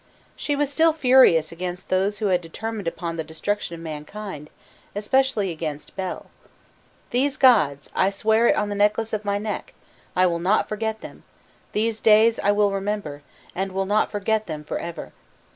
* She was still furious against those who had determined upon the destruction of mankind, especially against Bel: "These gods, I swear it on the necklace of my neck! I will not forget them; these days I will remember, and will not forget them for ever.